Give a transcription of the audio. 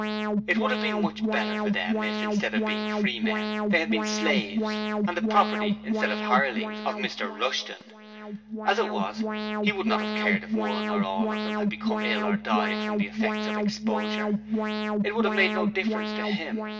It would have been much better for them if, instead of being 'Freemen', they had been slaves, and the property, instead of the hirelings, of Mr Rushton. As it was, HE would not have cared if one or all of them had become ill or died from the effects of exposure. It would have made no difference to him.